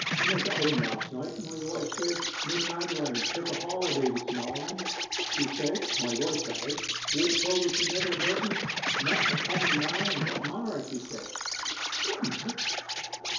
When I got home last night my wife said, "Miss Adelaide took a holiday this mornen," says she (my wife, that is); "walked over to Nether Mynton, met the comen man, and got married!" says she.' 'Got married!